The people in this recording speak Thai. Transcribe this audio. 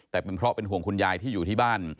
แต่เป็นเพราะเป็นห่วงคุณยายที่อยู่ที่บ้าน